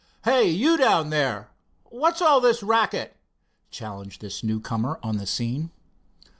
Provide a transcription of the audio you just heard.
"Hey, you down there! What's all this racket?" challenged this newcomer on the scene.